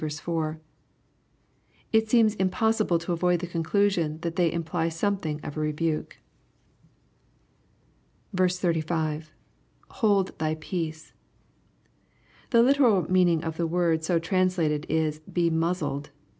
It seems im possible to avoid the conclusion that they imply something of re buke. 36. — [Hold thy peace.] The literal meaning of the word so translated is, " Be muzzled."